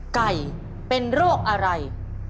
ไก่เป็นโรคอะไร